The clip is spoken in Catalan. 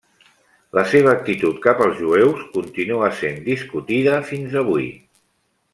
La seva actitud cap als jueus continua sent discutida fins avui.